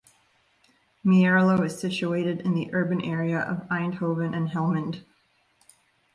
Mierlo is situated in the urban area of Eindhoven and Helmond.